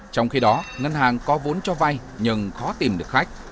trong khi đó ngân hàng có vốn cho vay nhưng khó tìm được khách